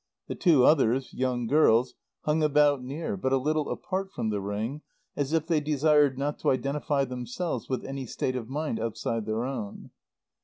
The two others, young girls, hung about near, but a little apart from the ring, as if they desired not to identify themselves with any state of mind outside their own.